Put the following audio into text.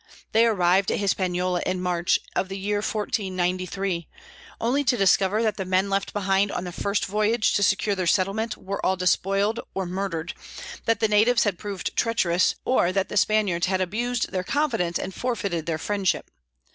They arrived at Hispaniola in March, of the year 1493, only to discover that the men left behind on the first voyage to secure their settlement were all despoiled or murdered; that the natives had proved treacherous, or that the Spaniards had abused their confidence and forfeited their friendship.